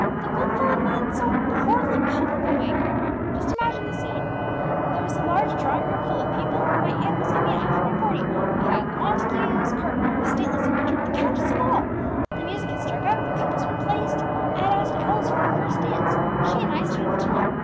"The blow fell upon me in so horridly public a way!" cried Vibert. "Just imagine the scene. There was the large drawing room full of people, my aunt was giving an afternoon party. We had the Montagues, Carpenters, stately Sir Richard, the countess and all! The music had struck up; the couples were placed; I had asked Alice for the first dance; she and I stood at the top.